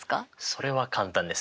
それは簡単です。